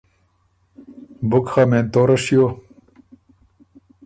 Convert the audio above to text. بُک خه مېن توره شیو